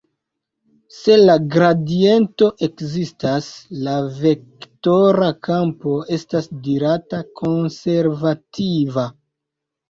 Se la gradiento ekzistas, la vektora kampo estas dirata konservativa.